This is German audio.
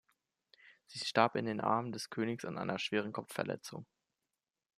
Sie starb in den Armen des Königs an einer schweren Kopfverletzung.